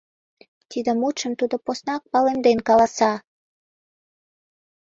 — Тиде мутшым тудо поснак палемден каласа.